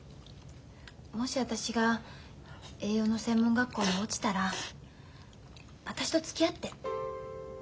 もし私が栄養の専門学校に落ちたら私とつきあって。